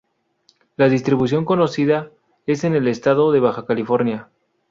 La distribución conocida, es en el estado de Baja California.